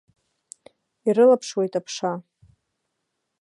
Ирылаԥшуеит аԥша.